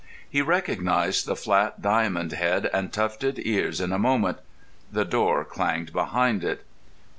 He recognised the flat diamond head and tufted ears in a moment. The door clanged behind it.